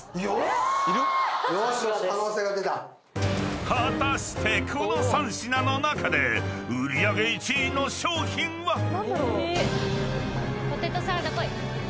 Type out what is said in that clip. ［果たしてこの３品の中で売り上げ１位の商品は⁉］